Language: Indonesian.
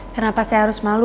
kenapa saya harus malu